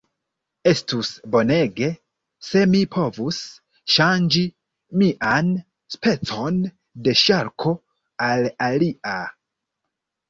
Estus bonege, se mi povus ŝanĝi mian specon de ŝarko al alia.